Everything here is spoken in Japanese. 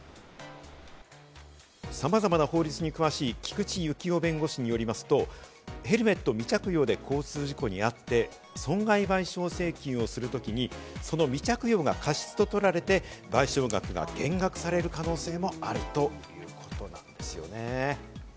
さまざまな法律に詳しい菊地幸夫弁護士によりますと、ヘルメット未着用で交通事故に遭って損害賠償請求をする時に、その未着用が過失と取られて、賠償額が減額される可能性もあるということなんですよね。